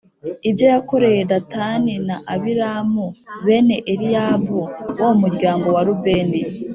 ibyo yakoreye datani na abiramu, bene eliyabu wo mu muryango wa rubeni: